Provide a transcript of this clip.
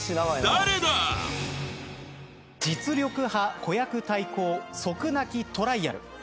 実力派子役対抗即泣きトライアル。